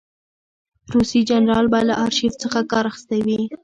روسي جنرال به له آرشیف څخه کار اخیستی وي.